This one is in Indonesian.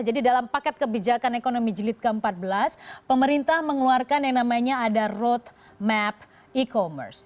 jadi dalam paket kebijakan ekonomi jilid ke empat belas pemerintah mengeluarkan yang namanya ada roadmap e commerce